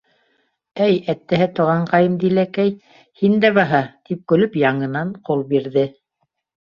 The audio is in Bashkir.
— Әй әттәһе, туғанҡайым Диләкәй, һин дә баһа! — тип көлөп яңынан ҡул бирҙе.